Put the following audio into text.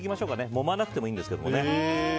もまなくてもいいんですけどね。